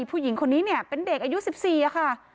ผู้หญิงคนนี้เนี่ยเป็นเด็กอายุ๑๔ค่ะ